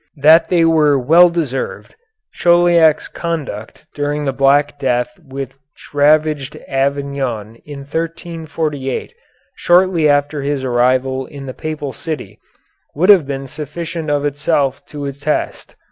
That they were well deserved, Chauliac's conduct during the black death which ravaged Avignon in 1348, shortly after his arrival in the Papal City, would have been sufficient of itself to attest.